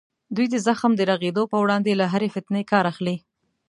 دوی د زخم د رغېدو په وړاندې له هرې فتنې کار اخلي.